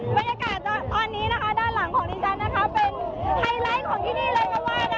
บรรยากาศตอนนี้นะคะด้านหลังของดิฉันนะคะเป็นไฮไลท์ของที่นี่เลยก็ว่า